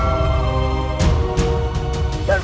aku akan menang